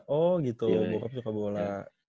oh gitu bokap suka bola